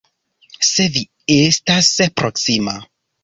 Se vi estas proksima.